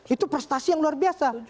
itu prestasi yang luar biasa